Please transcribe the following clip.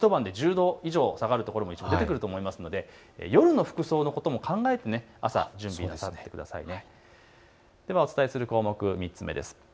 一晩で１０度以上下がるところが出てくると思いますので夜の服装のことも考えて朝、準備なさってくださいね。